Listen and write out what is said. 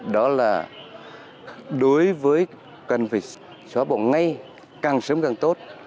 đó là đối với cần phải xóa bỏ ngay càng sớm càng tốt